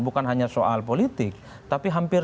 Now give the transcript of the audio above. bukan hanya soal politik tapi hampir